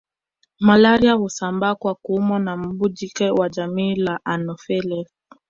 Malaria husambaa kwa kuumwa na mbu jike wa jamii ya anopheles